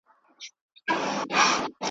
رنګ به د پانوس نه وي تیاره به وي `